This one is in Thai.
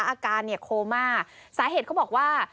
อาการโคมาสาเหตุเขาบอกว่า